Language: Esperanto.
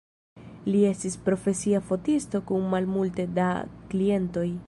Li estis profesia fotisto kun malmulte da klientoj.